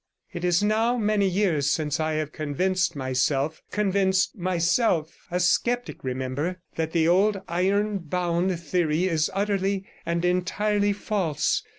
It is now many years since I have convinced myself — convinced myself, a sceptic, remember — that the old ironbound theory is utterly and entirely false.